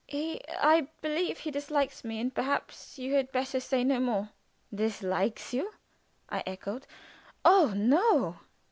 He he I believe he dislikes me, and perhaps you had better say no more." "Dislikes you!" I echoed. "Oh, no!"